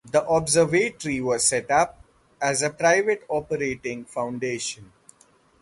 The observatory was set up as a private operating foundation.